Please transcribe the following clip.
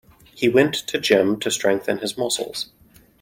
He went to gym to strengthen his muscles.